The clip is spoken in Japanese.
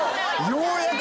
ようやく。